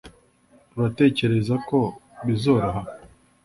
uratekereza ko bizoroha